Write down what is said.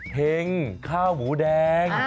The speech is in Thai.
เพลงข้าวหมูแดง